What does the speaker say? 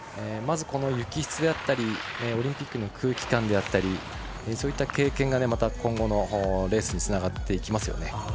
まずこの雪質やオリンピックの空気感であったりそういった経験が今後のレースにつながっていきますよね。